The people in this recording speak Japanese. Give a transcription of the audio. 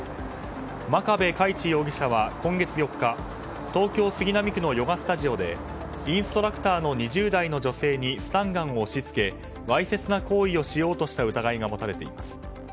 真壁佳一容疑者は今月４日東京・杉並区のヨガスタジオでインストラクターの２０代の女性にスタンガンを押し付けわいせつな行為をしようとした疑いが持たれています。